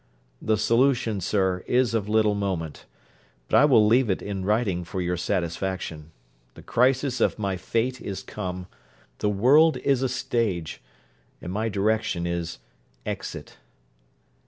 'The solution, sir, is of little moment; but I will leave it in writing for your satisfaction. The crisis of my fate is come: the world is a stage, and my direction is _exit.